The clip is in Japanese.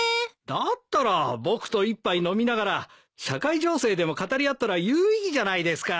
だったら僕と一杯飲みながら社会情勢でも語り合ったら有意義じゃないですか！